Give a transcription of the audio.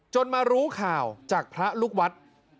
มารู้ข่าวจากพระลูกวัด